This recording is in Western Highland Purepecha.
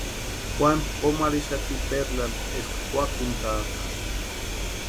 Juanu komu arhixati Perlani eska puakuntʼaaka.